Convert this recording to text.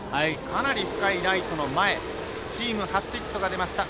かなり深いライトの前チーム初ヒットが出ました。